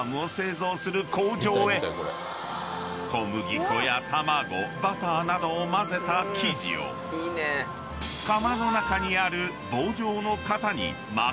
［小麦粉や卵バターなどを混ぜた生地を窯の中にある棒状の型に巻きつけていく］